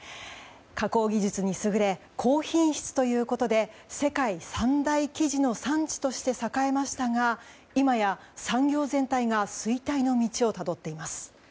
加工技術に優れ高品質ということで世界三大生地の産地として栄えましたが今や産業全体が衰退の道をたどっています。